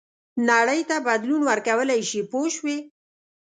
نړۍ ته بدلون ورکولای شي پوه شوې!.